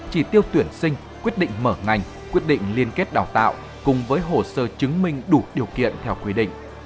chỉ tiêu tuyển sinh quyết định mở ngành quyết định liên kết đào tạo cùng với hồ sơ chứng minh đủ điều kiện theo quy định